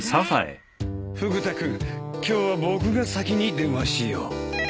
フグ田君今日は僕が先に電話しよう。